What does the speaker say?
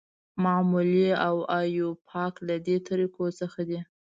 معمولي او ایوپاک له دې طریقو څخه دي.